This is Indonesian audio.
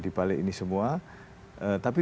di balik ini semua tapi